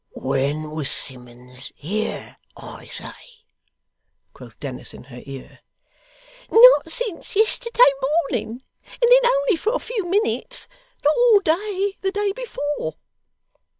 'When was Simmuns here, I say?' quoth Dennis, in her ear. 'Not since yesterday morning; and then only for a few minutes. Not all day, the day before.